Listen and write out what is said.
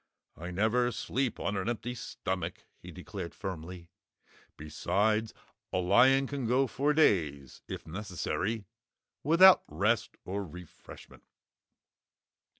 "I never sleep on an empty stomach," he declared firmly. "Besides, a lion can go for days if necessary without rest or refreshment."